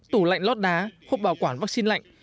tủ lạnh lót đá khu bảo quản vaccine lạnh